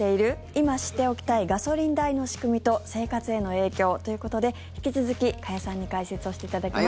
今知っておきたいガソリン代の仕組みと生活への影響ということで引き続き加谷さんに解説をしていただきます。